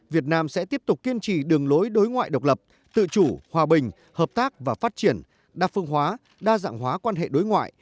việt nam sẽ tiếp tục kiên trì đường lối đối ngoại độc lập tự chủ hòa bình hợp tác và phát triển đa phương hóa đa dạng hóa quan hệ đối ngoại